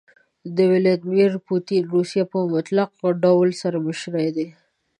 ويلاديمير پوتين روسيه په مطلق ډول سره مشر دي.